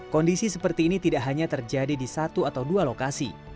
kondisi seperti ini tidak hanya terjadi di satu atau dua lokasi